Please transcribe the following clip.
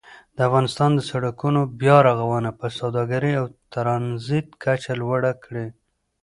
د افغانستان د سړکونو بیا رغونه به د سوداګرۍ او ترانزیت کچه لوړه کړي.